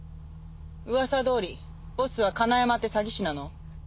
うわさどおりボスは金山って詐欺師なの？